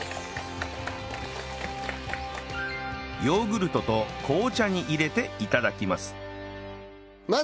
ヨーグルトと紅茶に入れて頂きます